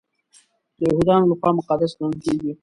د یهودانو لخوا مقدس ګڼل کیږي.